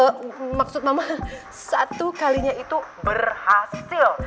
eh maksud mama satu kalinya itu berhasil